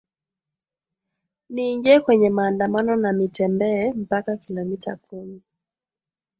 niingie kwenye maandamano na mitembee mpaka kilomita kumi